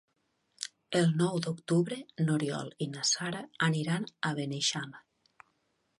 El nou d'octubre n'Oriol i na Sara aniran a Beneixama.